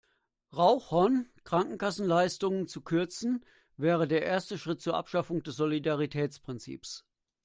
Rauchern Krankenkassenleistungen zu kürzen, wäre der erste Schritt zur Abschaffung des Solidaritätsprinzips.